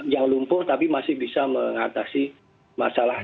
yang lumpuh tapi masih bisa mengatasi masalah